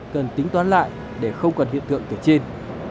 cần tính toán lại để không còn hiện tượng kể trên